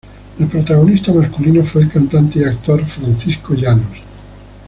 El protagonista masculino fue el cantante y actor Francisco Llanos.